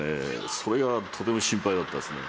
それがとても心配だったですね。